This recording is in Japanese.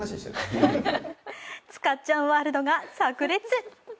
つかっちゃんワールドがさく裂。